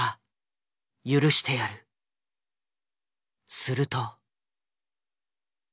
すると。